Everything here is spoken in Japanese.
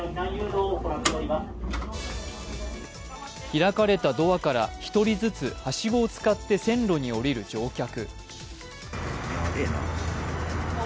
開かれたドアから１人ずつはしごを使って線路に降りる乗客。